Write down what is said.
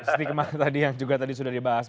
stigma tadi yang juga tadi sudah dibahas